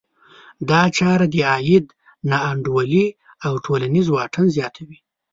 دا چاره د عاید نا انډولي او ټولنیز واټن زیاتوي.